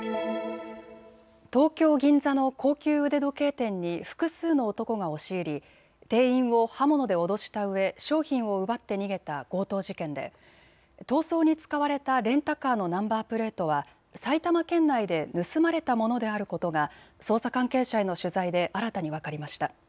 東京銀座の高級腕時計店に複数の男が押し入り店員を刃物で脅したうえ商品を奪って逃げた強盗事件で逃走に使われたレンタカーのナンバープレートは埼玉県内で盗まれたものであることが捜査関係者への取材で新たに分かりました。